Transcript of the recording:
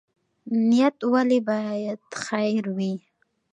نیت ولې باید خیر وي؟